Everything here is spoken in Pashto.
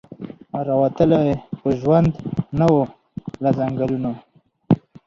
را وتلی په ژوند نه وو له ځنګلونو